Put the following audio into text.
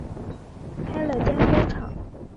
开了间工厂